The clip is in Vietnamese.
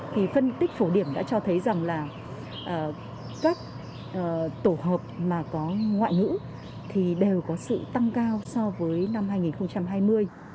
thì phân tích phổ điểm đã cho thấy rằng là các tổ hợp mà có ngoại ngữ thì đều có sự tăng cao so với năm hai nghìn hai mươi